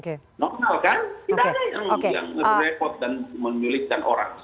tidak ada yang merepot dan menyulitkan orang